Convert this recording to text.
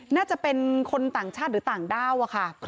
น่าจะเป็นคนต่างชาติหรือต่างด้าวอะค่ะ